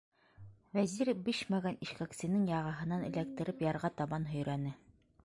Вәзир, бешмәгән ишкәксенең яғаһынан эләктереп, ярға табан һөйрәне.